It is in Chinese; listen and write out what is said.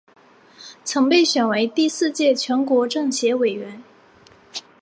曾被选为第四届全国政协委员。